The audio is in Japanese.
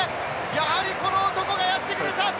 やはりこの男がやってくれた！